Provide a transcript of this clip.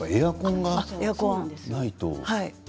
エアコンがないと。